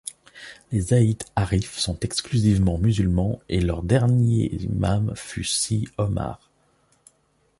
Les Aït Arif sont exclusivement musulmans et leur dernier imam fut Si Omar.